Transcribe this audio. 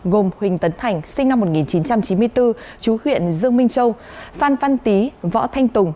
gồm huỳnh tấn thành sinh năm một nghìn chín trăm chín mươi bốn chú huyện dương minh châu phan văn tý võ thanh tùng